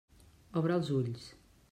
Obre els ulls.